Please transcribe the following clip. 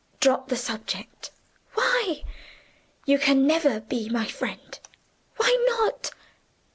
"Drop the subject." "Why?" "You can never be my friend." "Why not?"